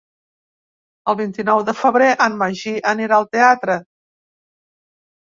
El vint-i-nou de febrer en Magí anirà al teatre.